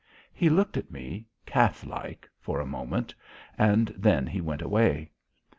He looked at me calf like for a moment, and then he went away.